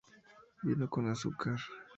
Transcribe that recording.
Vino con azúcar